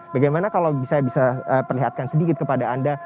bagaimana kalau saya bisa perlihatkan sedikit kepada anda